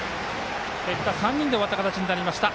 結果、３人で終わった形になりました。